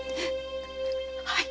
はい！